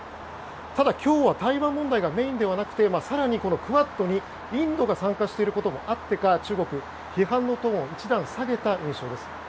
ただ、今日は台湾問題がメインではなくて更にクアッドにインドが参加していることもあってか中国、批判のトーンを一段下げたようです。